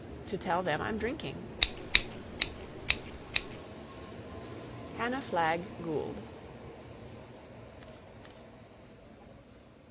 _' to tell them I'm drinking." HANNAH FLAGG GOULD.